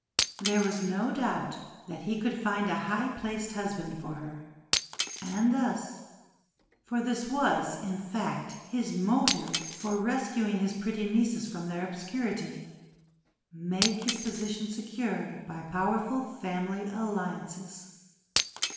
There was no doubt that he could find a high placed husband for her, and thus for this was, in fact, his motive for rescuing his pretty nieces from their obscurity make his position secure by powerful family alliances.